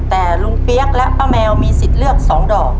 แต่ลุงเปี๊ยกและป้าแมวมีสิทธิ์เลือก๒ดอก